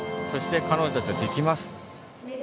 そして彼女だったらできます。